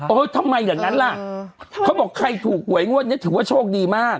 โ้ยทำไมอย่างนั้นล่ะเขาบอกใครถูกไกลงวดนี้ถูกว่าโทษมาก